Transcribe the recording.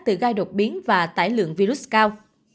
từ gai độc biến và tải lượng virus cao